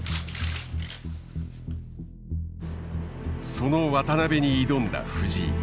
その渡辺に挑んだ藤井。